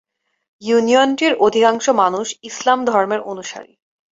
ইউনিয়নটির অধিকাংশ মানুষ ইসলাম ধর্মের অনুসারী।